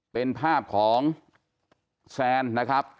เป็นภาพของแซนนะครับ